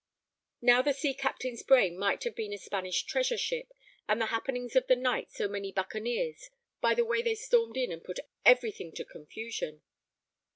Now the sea captain's brain might have been a Spanish treasure ship, and the happenings of the night so many buccaneers by the way they stormed in and put everything to confusion.